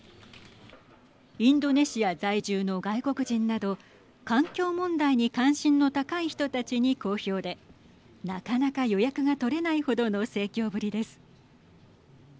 インドネシア在住の外国人など環境問題に関心の高い人たちに好評でなかなか予約が取れないほどの盛況ぶりです。